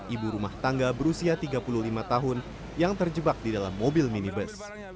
ibu rumah tangga berusia tiga puluh lima tahun yang terjebak di dalam mobil minibus